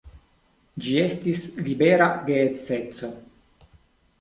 Ĝi estis "libera geedzeco".